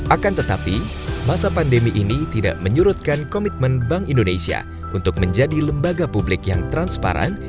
akan tetapi masa pandemi ini tidak menyurutkan komitmen bank indonesia untuk menjadi lembaga publik yang transparan